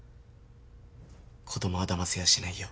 子供はだませやしないよ。